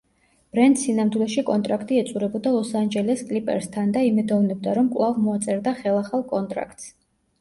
ბრენდს სინამდვილეში კონტრაქტი ეწურებოდა ლოს-ანჯელეს კლიპერსთან და იმედოვნებდა რომ კვლავ მოაწერდა ხელახალ კონტრაქტს.